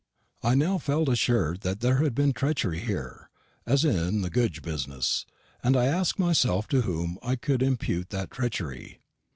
I now felt assured that there had been treachery here, as in the Goodge business; and I asked myself to whom could I impute that treachery?